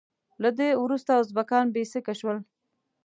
له ده وروسته ازبکان بې سیکه شول.